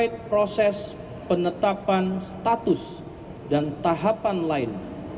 dan status dan tahapan lain